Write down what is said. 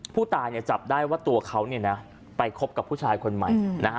ผู้ตายจับได้ว่าตัวเขาไปคบกับผู้ชายคนใหม่นะฮะ